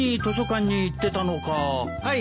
はい。